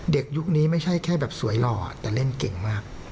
ยุคนี้ไม่ใช่แค่แบบสวยหล่อแต่เล่นเก่งมาก